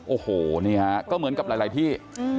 โอ้โหนี่ฮะก็เหมือนกับหลายที่